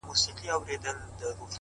مستي، مستاني، سوخي، شنګي د شرابو لوري،